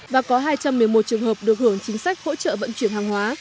và có hai trăm một mươi một trường hợp được hưởng chính sách hỗ trợ vận chuyển hàng hóa